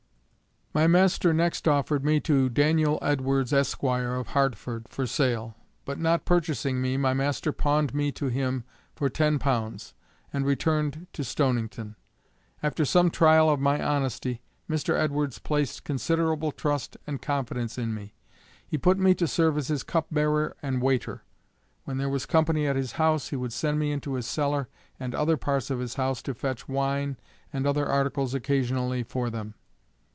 My master next offered me to Daniel Edwards, Esq. of Hartford, for sale. But not purchasing me, my master pawned me to him for ten pounds, and returned to Stonington. After some trial of my honesty, Mr. Edwards placed considerable trust and confidence in me. He put me to serve as his cup bearer and waiter. When there was company at his house, he would send me into his cellar and other parts of his house to fetch wine and other articles occasionally for them.